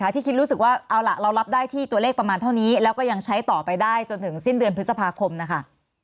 ที่คิดรู้สึกว่าเอาล่ะเรารับได้ที่ตัวเลขประมาณเท่านี้แล้วก็ยังใช้ต่อไปได้จนถึงสิ้นเดือนพฤษภาคมนะคะ